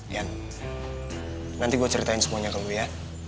iyan nanti gue ceritain semuanya ke lu ya